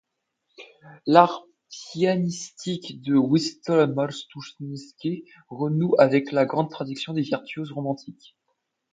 L'art pianistique de Witold Małcużyński renoue avec la grande tradition des virtuoses romantiques.